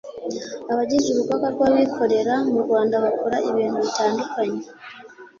Abagize urugaga rw’abikorera mu Rwanda bakora ibintu bitandukanye